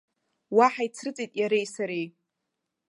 Уа ҳаицрыҵит иареи сареи.